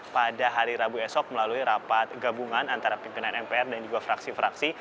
pada hari rabu esok melalui rapat gabungan antara pimpinan mpr dan juga fraksi fraksi